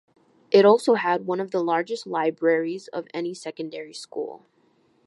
It also had one of the largest libraries of any secondary school.